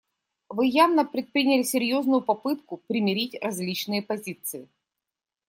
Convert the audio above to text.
Вы явно предприняли серьезную попытку примирить различные позиции.